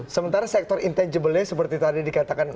sementara sektor intangible seperti tadi dikatakan